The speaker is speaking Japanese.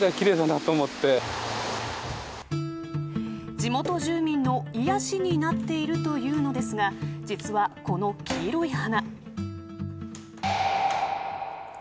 地元住民の癒やしになっているというのですが実は、この黄色い花。